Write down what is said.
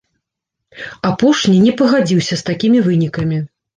Апошні не пагадзіўся з такімі вынікамі.